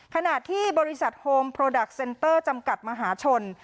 ขณะที่บริษัทโฮมโปรดักต์เซ็นเตอร์จำกัดมหาชน